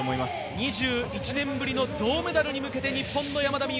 ２１年ぶりの銅メダルに向けて日本の山田美諭